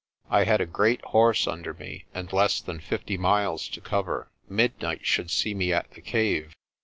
I had a great horse under me and less than fifty miles to cover. Midnight should see me at the cave.